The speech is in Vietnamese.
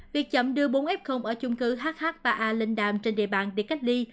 việc chậm đưa bốn f ở chung cư hh ba a linh đàm trên địa bàn để cách ly